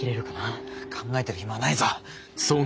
考えてる暇ないぞ！